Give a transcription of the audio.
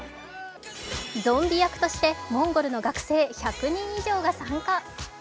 ゾンビ役としてモンゴルの学生１００人以上が参加。